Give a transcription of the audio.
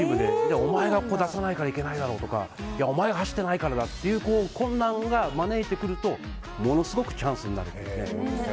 お前が、ここ出さなきゃいけないだろうとかお前が走ってないからだという混乱を招いてくるとものすごくチャンスになると。